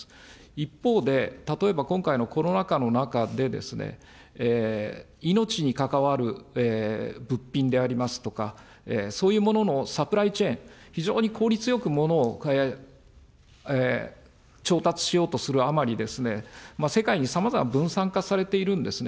一方で、例えば今回のコロナ禍の中でですね、命に関わる物品でありますとか、そういうもののサプライチェーン、非常に効率よく物を調達しようとするあまり、世界にさまざま分散化されているんですね。